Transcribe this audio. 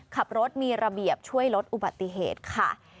ขับรถมีระเบียบช่วยลดอุบัติเหตุค่ะ